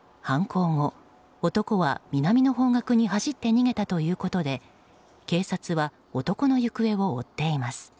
犯行後、男は南の方角に走って逃げたということで警察は男の行方を追っています。